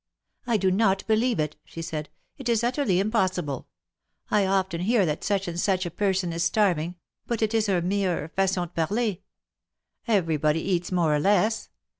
" I do not believe it," she said. " It is utterly impos sible. I often hear that such and such a person is starving, but it is a mere fagon de parler. Everybody eats more or less.